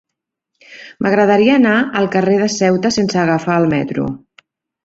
M'agradaria anar al carrer de Ceuta sense agafar el metro.